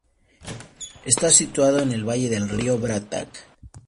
Está situado en el valle del río Svratka.